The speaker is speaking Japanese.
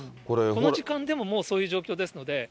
この時間でももうそういう状況ですので。